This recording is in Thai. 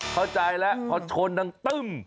อ๋อเข้าใจแล้วเขาโชนดังตึม